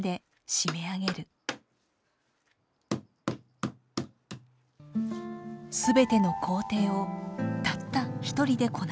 全ての工程をたった一人でこなす。